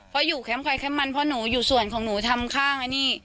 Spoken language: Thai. เพราะอยู่แคมป์ใครแคปมันเพราะหนูอยู่ส่วนของหนูทำข้างอันนี้